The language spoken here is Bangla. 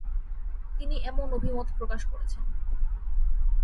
তিনি এমন অভিমত প্রকাশ করেছেন।